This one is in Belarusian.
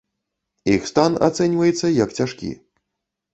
Іх стан ацэньваецца як цяжкі.